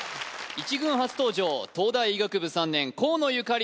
１軍初登場東大医学部３年河野ゆかり